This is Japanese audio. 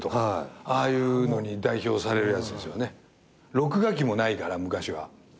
録画機もないから昔は。